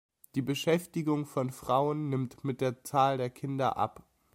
Die Beschäftigung von Frauen nimmt mit der Zahl der Kinder ab.